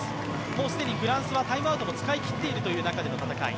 もう既にフランスはタイムアウトも使い切っている中での戦い。